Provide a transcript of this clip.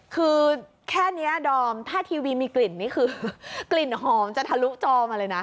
คือแค่นี้ดอมถ้าทีวีมีกลิ่นนี่คือกลิ่นหอมจะทะลุจอมาเลยนะ